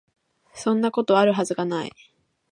そんなこと、有る筈が無い